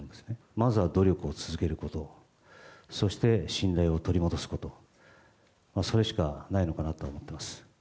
まずは努力を続けること、そして信頼を取り戻すこと、それしかないのかなとは思ってます。